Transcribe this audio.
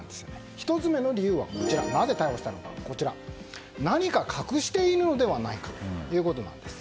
１つ目の理由は何か隠しているのではないかということです。